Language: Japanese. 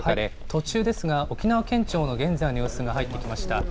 途中ですが、沖縄県庁の現在の様子が入ってきました。